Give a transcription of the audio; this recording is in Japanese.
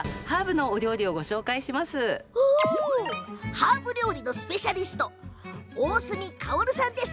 ハーブ料理のスペシャリスト大澄かほるさんです。